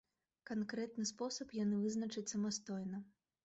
Канкрэтны спосаб яны вызначаць самастойна.